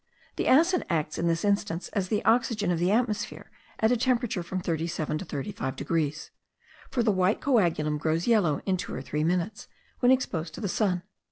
The acid acts in this instance as the oxygen of the atmosphere at a temperature from 27 to 35 degrees; for the white coagulum grows yellow in two or three minutes, when exposed to the sun.